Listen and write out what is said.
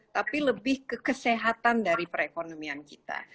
tapi lebih ke kesehatan dari perekonomian kita